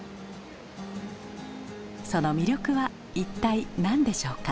その魅力は一体何でしょうか。